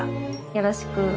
よろしく。